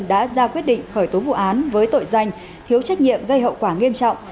đã ra quyết định khởi tố vụ án với tội danh thiếu trách nhiệm gây hậu quả nghiêm trọng